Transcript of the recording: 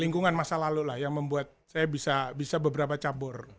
lingkungan masa lalu lah yang membuat saya bisa beberapa cabur